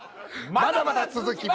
まだまだ続きます！